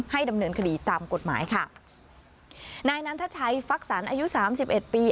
ดำเนินคดีตามกฎหมายค่ะนายนันทชัยฟักษรอายุสามสิบเอ็ดปี